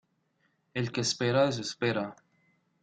El que espera desespera.